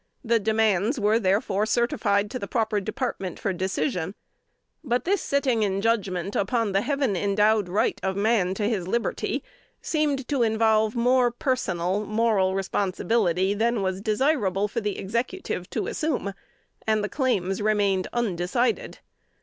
The demands were, therefore, certified to the proper department for decision. But this setting in judgment upon the heaven endowed right of man to his liberty, seemed to involve more personal and moral responsibility than was desirable for the Executive to assume, and the claims remained undecided.